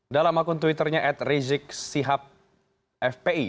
dalam akun twitternya at rizik sihab fpi